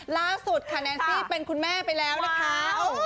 ล่าสุดค่ะแนนซี่เป็นคุณแม่ไปแล้วนะคะ